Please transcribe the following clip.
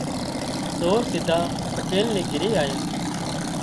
سور سڌا پٽيل نِي گھري آيا